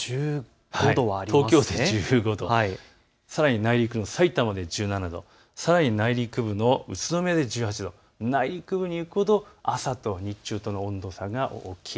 東京都１５度、さらに内陸のさいたまで１７度、さらに内陸部の宇都宮で１８度、内陸部に行くほど朝と日中の温度差が大きい。